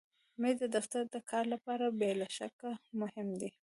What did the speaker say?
مېز د دفتر د کار لپاره بې له شکه مهم دی.